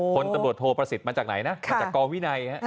คนตำรวจโทประสิทธิ์มาจากไหนนะมาจากกวินัย